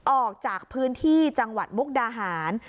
ออกจากพื้นที่จังหวัดมุกดาหาร